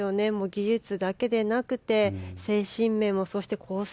技術だけでなくて精神面もそしてコース